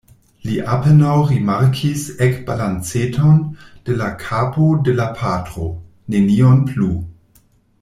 Li apenaŭ rimarkis ekbalanceton de la kapo de la patro; nenion plu.